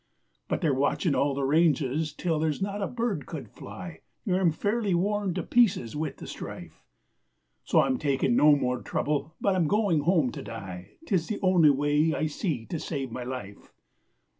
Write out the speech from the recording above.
But they're watching all the ranges till there's not a bird could fly, And I'm fairly worn to pieces with the strife, So I'm taking no more trouble, but I'm going home to die, 'Tis the only way I see to save my life.